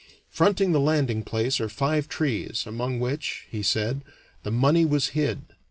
Fronting the landing place are five trees, among which, he said, the money was hid.